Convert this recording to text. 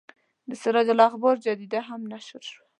د سراج الاخبار جریده هم نشر شوه.